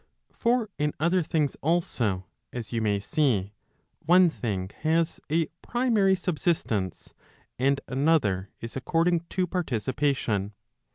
For in other things also, as you may see, one thing has a primary subsistence, and another is according to participation.